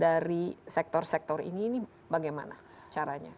dari sektor sektor ini ini bagaimana caranya